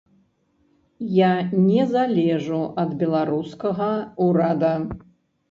Я не залежу ад беларускага ўрада.